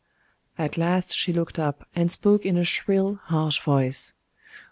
At last she looked up, and spoke in a shrill, harsh voice.